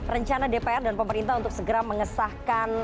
rencana dpr dan pemerintah untuk segera mengesahkan